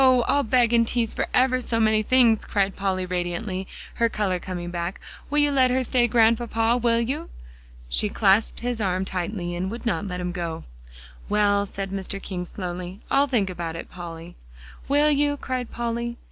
I'll beg and tease for ever so many things," cried Polly radiantly, her color coming back. "Will you let her stay, Grandpapa will you?" She clasped his arm tightly and would not let him go. "Well," said Mr. King slowly, "I'll think about it, Polly." "Will you?" cried Polly.